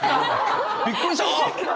びっくりした！